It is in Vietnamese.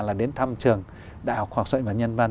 là đến thăm trường đại học học sợi và nhân văn